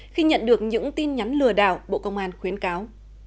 khi nhận được những tin nhắn lừa đảo bộ công an khuyến cáo